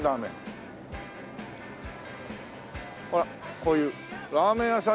ほらこういうラーメン屋さん